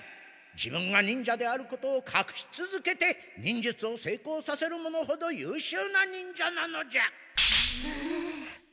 自分が忍者であることをかくしつづけて忍術をせいこうさせる者ほどゆうしゅうな忍者なのじゃ。